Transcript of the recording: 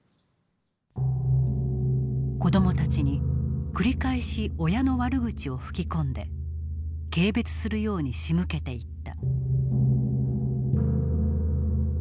子どもたちに繰り返し親の悪口を吹き込んで軽蔑するようにしむけていった。